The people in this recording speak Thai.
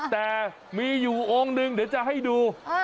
แต่มีอยู่องค์หนึ่งเดี๋ยวจะให้ดู